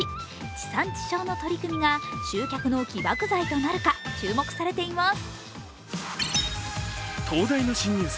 地産地消の取り組みが集客の起爆剤となるか注目されています。